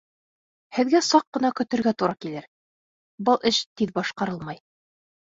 — Һеҙгә саҡ ҡына көтөргә тура килер, был эш тиҙ башҡарылмай.